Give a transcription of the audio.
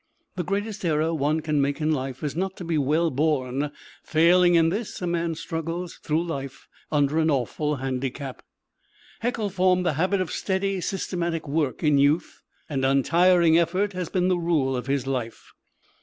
The greatest error one can make in life is not to be well born; failing in this, a man struggles through life under an awful handicap. Haeckel formed the habit of steady, systematic work in youth, and untiring effort has been the rule of his life.